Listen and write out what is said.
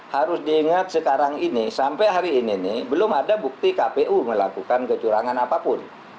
harus diingat sekarang ini sampai hari ini nih belum ada bukti kpu melakukan kecurangan apapun